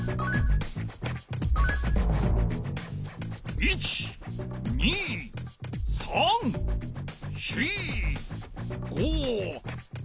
１２３４５６。